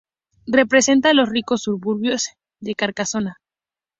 Representa los ricos suburbios de Carcasona.